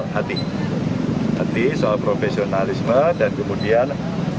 hati hati soal profesionalisme dan kemudian